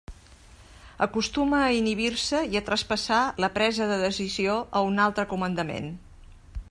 Acostuma a inhibir-se i a traspassar la presa de decisió a un altre comandament.